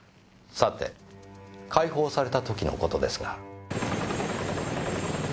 さて解放された時の事ですが。